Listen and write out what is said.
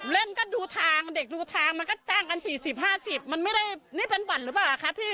เล่นก็ดูทางเด็กดูทางมันก็จ้างกัน๔๐๕๐มันไม่ได้นี่เป็นบัตรหรือเปล่าคะพี่